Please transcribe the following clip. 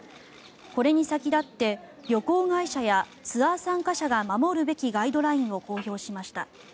これに先立って旅行会社やツアー参加者が守るべきガイドラインを公表しました。